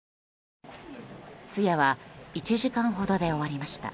通夜は１時間ほどで終わりました。